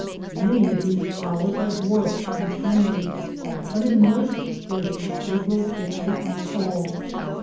Many of these flowers are dwarfed and tiny but in moist places they grow thickly and tall.